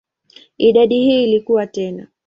Idadi hii ilikua tena.